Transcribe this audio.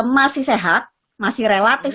masih sehat masih relatif